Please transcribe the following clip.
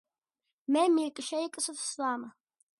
მე მილკშეიკს ვსვამ.